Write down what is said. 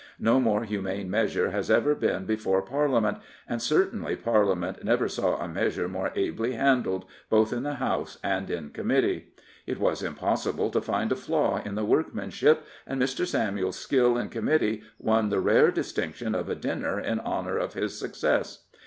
No more humane measure has ever been before Parliament, and certainly Parliament never saw a measure more ably handled, both in the House and in Committee. It was impossible to find a flaw in the workmanship, and Mr. Samuel's skill in Committee won the rare dis tinction of a dinner in honour of his success.